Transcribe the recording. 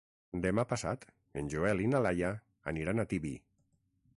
Demà passat en Joel i na Laia aniran a Tibi.